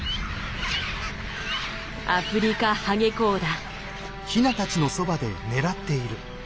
アフリカハゲコウだ。